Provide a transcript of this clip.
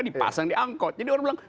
dipasang di angkot jadi orang bilang